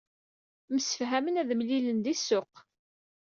Msefhamen ad mlilen di ssuq.